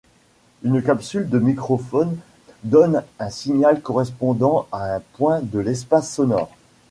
Une capsule de microphone donne un signal correspondant à un point de l'espace sonore.